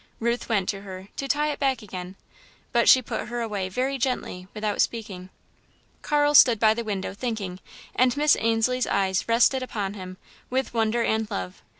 Ruth went to her, to tie it back again, but she put her away, very gently, without speaking. Carl stood by the window, thinking, and Miss Ainslie's eyes rested upon him, with wonder and love.